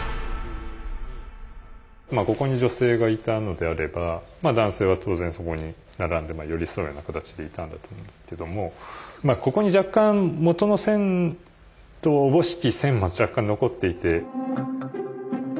まあここに女性がいたのであれば男性は当然そこに並んで寄り添うような形でいたんだと思うんですけどもここに若干元の線とおぼしき線が若干残っていて。